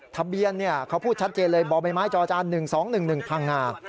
ทะเบียนเขาพูดชัดเจนเลยบ่อใบไม้จอจาน๑๒๑๑พังงา